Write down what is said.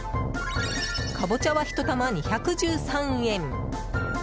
カボチャは１玉２１３円。